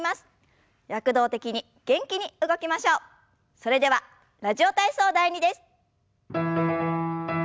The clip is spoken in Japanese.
それでは「ラジオ体操第２」です。